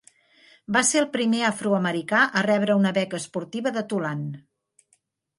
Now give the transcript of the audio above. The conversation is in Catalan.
Va ser el primer afroamericà a rebre una beca esportiva de Tulane.